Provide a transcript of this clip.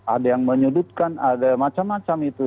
ada yang menyudutkan ada macam macam itu